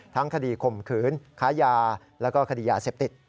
ทั้งคดีข่มขืนค้ายาแล้วก็คดียาเสพติด